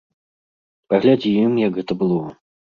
Паглядзім, як гэта было!